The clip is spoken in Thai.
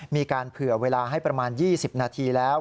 มีการเผื่อเวลาให้ประมาณ๒๐นาทีแล้ว